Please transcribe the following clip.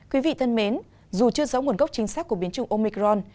quý vị thân mến dù chưa rõ nguồn gốc chính xác của biến chủng omicron